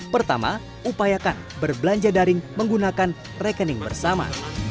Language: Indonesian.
pertama upayakan berbelanja daring menggunakan rekening bersama